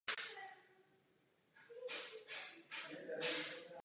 Podle ní musí nalézt alespoň jednoho rodiče.